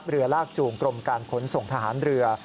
เรือลากจูงกรมการขนส่งทหารเรือ